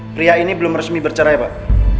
pria ini belum resmi bercerai pak